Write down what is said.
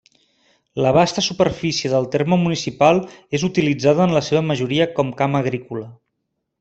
La vasta superfície del terme municipal és utilitzada en la seva majoria com camp agrícola.